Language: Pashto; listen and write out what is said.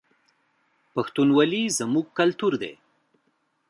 پښتونولي زموږ کلتور دی